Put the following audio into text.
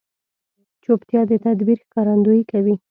چوپتیا، د تدبیر ښکارندویي کوي.